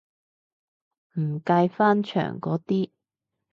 唔計翻牆嗰啲